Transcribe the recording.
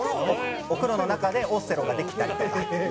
「お風呂の中でオセロができたりとか」